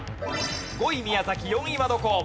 ５位宮崎４位はどこ？